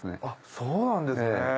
あっそうなんですね。